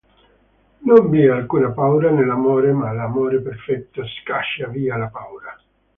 Non vi è alcuna paura nell'amore, ma l'amore perfetto scaccia via la paura.